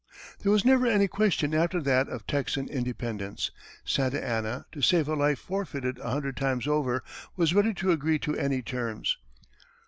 There was never any question, after that, of Texan independence; Santa Anna, to save a life forfeited a hundred times over, was ready to agree to any terms.